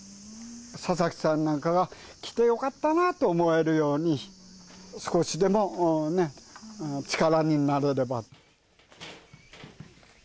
佐々木さんなんかが来てよかったなと思えるように少しでもね力になれれば。